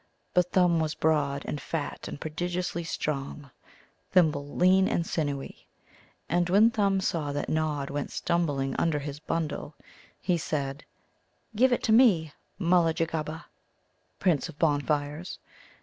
But Thumb was broad and fat and prodigiously strong, Thimble lean and sinewy. And when Thumb saw that Nod went stumbling under his bundle, he said: "Give it to me, Mulla jugguba!" (Prince of Bonfires).